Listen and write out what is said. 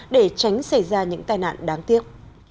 để tránh xảy ra những tai nạn đáng tiếc